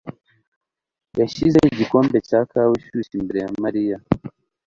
yashyize igikombe cya kawa ishyushye imbere ya Mariya.